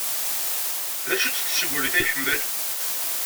D acu-tt tsegrit ay iḥemmel?